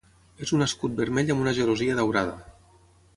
És un escut vermell amb una gelosia daurada.